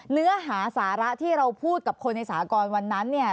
เนื้อหาสาระที่เราพูดกับคนในสากรวันนั้นเนี่ย